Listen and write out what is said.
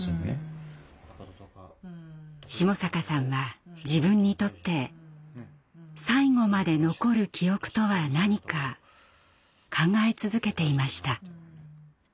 下坂さんは自分にとって「最後まで残る記憶」とは何か考え続けていました。